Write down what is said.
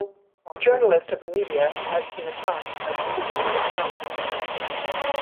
The journalist of the media has been attacked by police in some incidents.